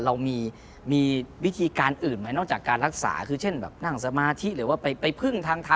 เรามีวิธีการอื่นไหมนอกจากการรักษาคือเช่นแบบนั่งสมาธิหรือว่าไปพึ่งทางทำ